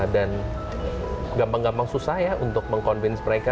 gampang gampang susah ya untuk meng convince mereka